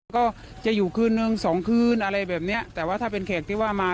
ก็จะอยู่คืนนึงสองคืนอะไรแบบเนี้ยแต่ว่าถ้าเป็นแขกที่ว่ามา